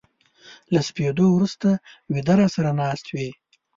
له سپېدو ورو سته و يده را سره ناست وې